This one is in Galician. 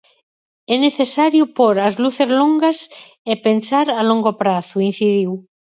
"É necesario pór as luces longas e pensar a longo prazo", incidiu.